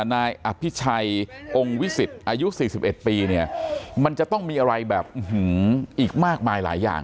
นายอภิชัยองค์วิสิตอายุ๔๑ปีเนี่ยมันจะต้องมีอะไรแบบอีกมากมายหลายอย่าง